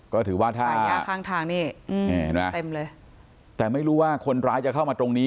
ก็ถือว่าถ้าระยะข้างทางนี่อืมเห็นไหมแต่ไม่รู้ว่าคนร้ายจะเข้ามาตรงนี้